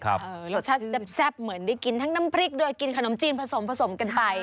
รสชาติแซ่บเหมือนได้กินทั้งน้ำพริกโดยกินขนมจีนผสมผสมกันไป